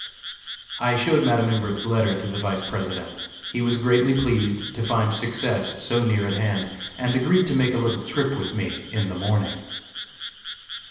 I showed Madam Imbert's letter to the Vice President. He was greatly pleased to find success so near at hand, and agreed to make a little trip with me in the morning.